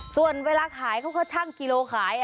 ส่วนเวลาขายเขาก็ช่างกิโลขาย